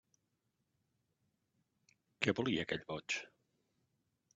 Què volia aquell boig?